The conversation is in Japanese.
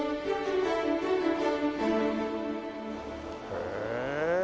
へえ。